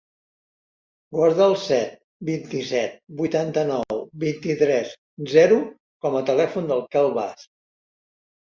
Guarda el set, vint-i-set, vuitanta-nou, vint-i-tres, zero com a telèfon del Quel Bas.